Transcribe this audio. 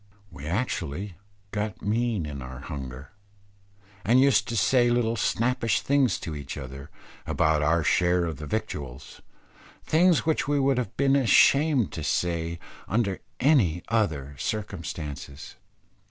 We actually got mean in our hunger, and used to say little snappish things to each other, about our share of the victuals; things which we would have been ashamed to say under any other circumstances.